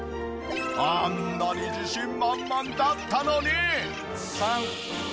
あんなに自信満々だったのに。